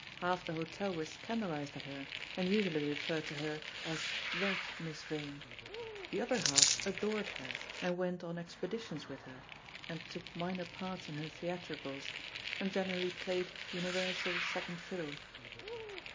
Half the hotel were scandalised at her, and usually referred to her as "that Miss Vane"; the other half adored her, and went [on] expeditions with her, and took minor parts in her theatricals, and generally played universal second fiddle.